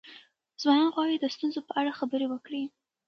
ځوانان غواړي د ستونزو په اړه خبرې وکړي.